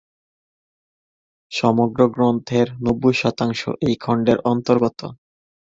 সমগ্র গ্রন্থের নব্বই শতাংশ এই খণ্ডের অন্তর্গত।